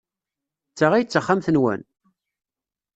D ta ay d taxxamt-nwen?